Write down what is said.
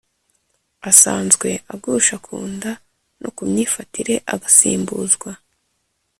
asanzwe, agusha ku nda no ku myifatire, agasimbuzwa